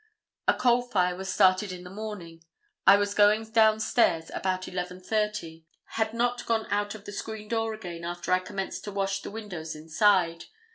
A coal fire was started in the morning. I was going down stairs about 11:30. Had not gone out of the screen door again after I commenced to wash the windows inside.